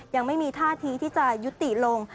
ยังไม่มีท่าทีที่จะยุติลง